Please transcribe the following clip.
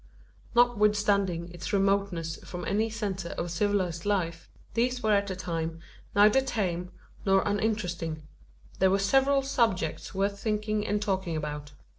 Notwithstanding its remoteness from any centre of civilised life, these were at the time neither tame nor uninteresting. There were several subjects worth thinking and talking about.